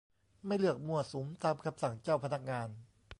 ไม่เลิกมั่วสุมตามคำสั่งเจ้าพนักงาน